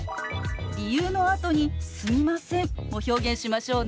理由のあとに「すみません」も表現しましょうね。